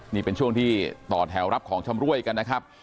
นี่เป็นช่วงที่ต่อแถวรับของชำรวยกันนะครับ